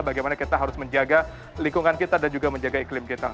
bagaimana kita harus menjaga lingkungan kita dan juga menjaga iklim kita